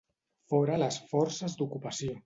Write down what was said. Fora les forces d'ocupació!